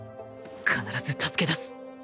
必ず助け出す。